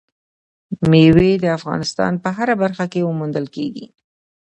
مېوې د افغانستان په هره برخه کې موندل کېږي.